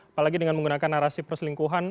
apalagi dengan menggunakan narasi perselingkuhan